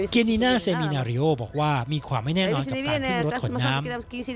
กินีน่าเซมีนาริโอบอกว่ามีความไม่แน่นอนกับการขึ้นรถขนน้ำ